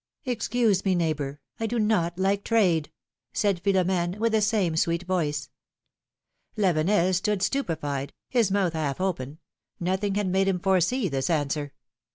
Excuse me, neighbor, I do not like trade," said Philo m^ne, with the same sweet voice. Lavenel stood stupefied, his mouth half open; nothing had made him foresee this answer.